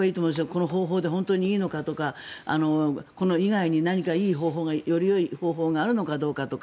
この方法で本当にいいのかとかこれ以外に何かいい方法がよりよい方法があるのかどうかとか。